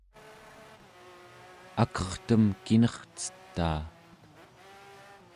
akertem kinercetaa